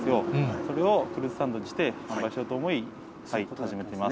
それをフルーツサンドにして、販売しようと思い、栽培を始めています。